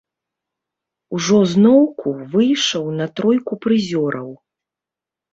Ужо зноўку выйшаў на тройку прызёраў.